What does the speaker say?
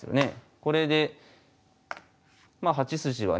これでまあ８筋はね